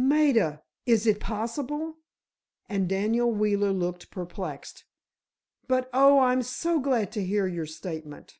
"Maida! Is it possible?" and Daniel Wheeler looked perplexed. "But, oh, I'm so glad to hear your statement."